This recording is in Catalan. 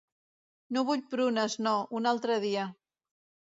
No vull prunes, no, un altre dia.